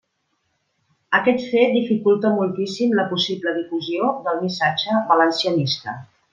Aquest fet dificulta moltíssim la possible difusió del missatge valencianista.